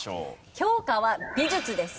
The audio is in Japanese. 教科は美術です。